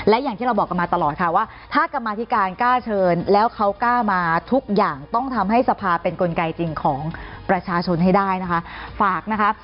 และอย่างที่เราบอกกันมาตลอดค่ะว่าถ้ากรรมาธิการกล้าเชิญแล้วเขากล้ามาทุกอย่างต้องทำให้สภาเป็นกลไกจริงของประชาชนให้ได้นะคะฝากนะคะ